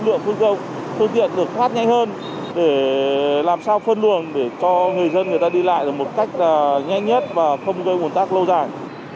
để làm sao phân luồng để cho người dân người ta đi lại một cách nhanh nhất và không gây ồn tắc lâu dài